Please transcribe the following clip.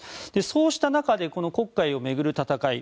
そうした中で黒海を巡る戦い